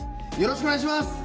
よろしくお願いします！